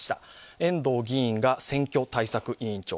遠藤議員が選挙対策委員長。